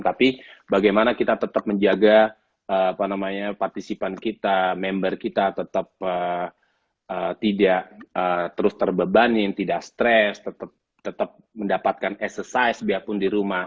tapi bagaimana kita tetap menjaga partisipan kita member kita tetap tidak terus terbebanin tidak stres tetap mendapatkan exercise biarpun di rumah